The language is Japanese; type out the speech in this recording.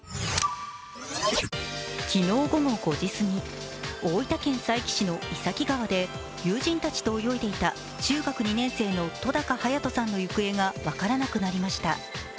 昨日午後５時過ぎ、大分県佐伯市の井崎川で友人たちと泳いでいた中学２年生の戸高颯斗さんの行方が分からなくなりました。